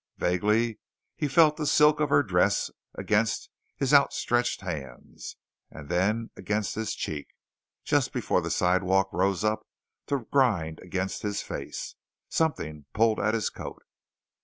Vaguely he felt the silk of her dress against his outstretched hands, and then against his cheek just before the sidewalk rose up to grind against his face. Something pulled at his coat.